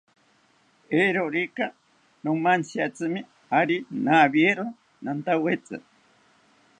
Eeerorika nomantziatzimi, ari nawiero nantawetzi